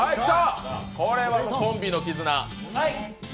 これはコンビの絆。